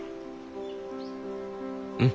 うん。